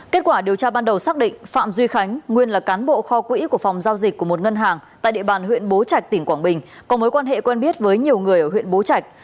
kết quả điều tra ban đầu xác định phạm duy khánh nguyên là cán bộ kho quỹ của phòng giao dịch của một ngân hàng tại địa bàn huyện bố trạch tỉnh quảng bình có mối quan hệ quen biết với nhiều người ở huyện bố trạch